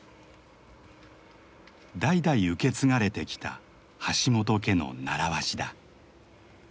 代々受け継がれてきた橋本家の習わしだ。